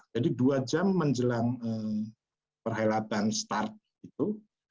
jadi dua jam menjelang perhelatan start itu